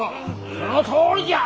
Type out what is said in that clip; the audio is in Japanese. そのとおりじゃ！